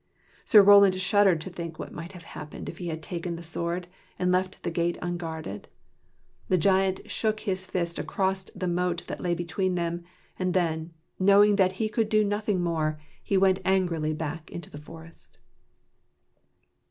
Sir Roland shuddered to think what might have happened if he had taken the sword and left the gate unguarded. The giant shook his fist across the moat that lay between them, and then, knowing that he could do nothing more, he went angrily back into the forest.